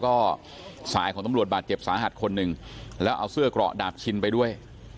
ก็สายของตำรวจบาดเจ็บสาหัสคนหนึ่งแล้วเอาเสื้อเกราะดาบชินไปด้วย